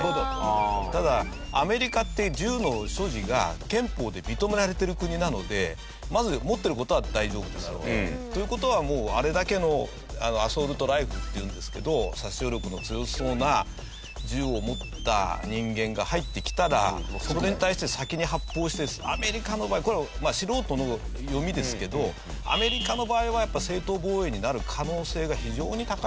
ただアメリカって銃の所持が憲法で認められてる国なのでまず持ってる事は大丈夫ですよね。という事はもうあれだけのアサルトライフルっていうんですけど殺傷力の強そうな銃を持った人間が入ってきたらそれに対して先に発砲してアメリカの場合これは素人の読みですけどアメリカの場合は正当防衛になる可能性が非常に高いと思います。